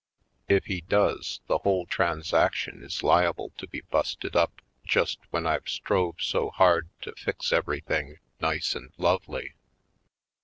If he does, the whole transaction is liable to be busted up just when I've strove so hard to fix everything nice and lovely.